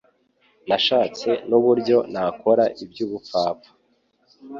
nashatse nuburyo nakora iby'ubupfapfa